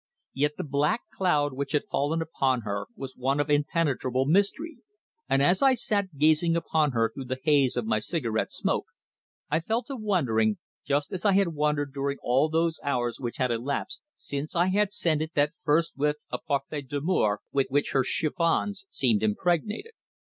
Yet the black cloud which had fallen upon her was one of impenetrable mystery, and as I sat gazing upon her through the haze of my cigarette smoke, I fell to wondering, just as I had wondered during all those hours which had elapsed since I had scented that first whiff of Parfait d'Amour, with which her chiffons seemed impregnated.